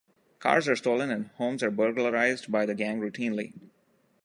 Cars are stolen and homes are burglarized by the gang routinely.